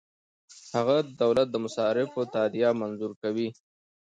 هغه د دولت د مصارفو تادیه منظوره کوي.